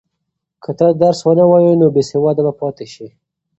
که ته درس ونه وایې نو بېسواده به پاتې شې.